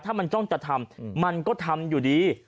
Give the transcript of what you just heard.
ถ้ามันจ้องจะทำมันก็ทำอยู่ดี